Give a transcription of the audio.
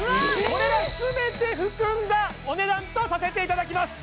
これらすべて含んだお値段とさせていただきます！